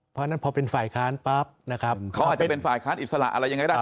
เพราะฉะนั้นพอเป็นฝ่ายค้านปั๊บนะครับเขาอาจจะเป็นฝ่ายค้านอิสระอะไรยังไงได้